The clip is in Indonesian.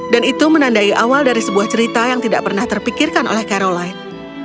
dan itu menandai awal dari sebuah cerita yang tidak pernah terpikirkan oleh caroline